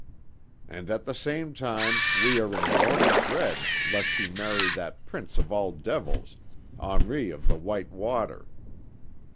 "And at the same time we are in mortal dread lest she marry that prince of all devils, Henri of the White Water.